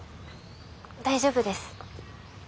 大丈夫です。